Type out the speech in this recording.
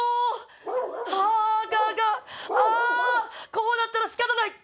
こうなったら仕方ない！